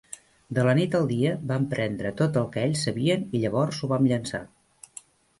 De la nit al dia vam prendre tot el que ells sabien i llavors o vam llençar.